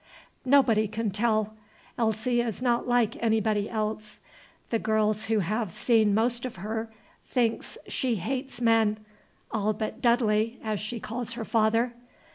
"Nobody can tell. Elsie is not like anybody else. The girls who have seen most of her think she hates men, all but 'Dudley,' as she calls her father.